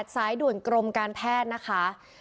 สายด่วนกรมการแพทย์นะคะ